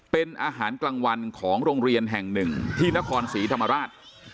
เป็นอาหารกลางวันของโรงเรียนแห่งหนึ่งที่นครศรีธรรมราช